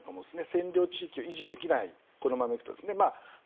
占領地域を維持できないこのままいくとですね。